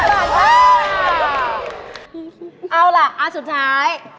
เอาล่ะอันสุดท้าย